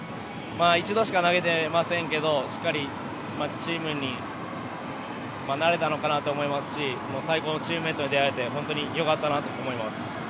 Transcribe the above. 一度しか投げてませんけどしっかりチームになれたのかなと思いますし最高のチームメートに出会えてよかったなと思います。